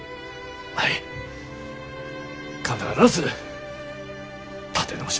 はい必ず立て直します。